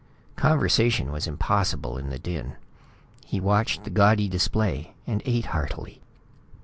Conversation was impossible in the din. He watched the gaudy display and ate heartily.